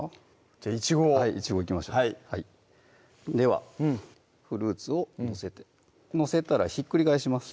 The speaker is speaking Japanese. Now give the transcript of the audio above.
じゃあいちごをいちごいきましょうではフルーツを載せて載せたらひっくり返します